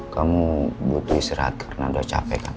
kamu butuh istirahat karena udah capek